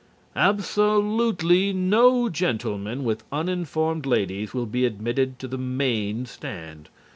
Absolutely no gentlemen with uninformed ladies will be admitted to the main stand.